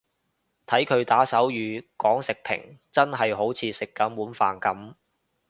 睇佢打手語講食評真係好似食緊碗飯噉